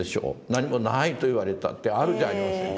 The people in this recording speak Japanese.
何も無いと言われたってあるじゃありませんか